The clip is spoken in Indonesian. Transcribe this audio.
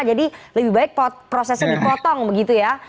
jadi lebih baik prosesnya dipotong begitu ya